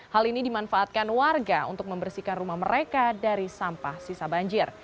hal ini dimanfaatkan warga untuk membersihkan rumah mereka dari sampah sisa banjir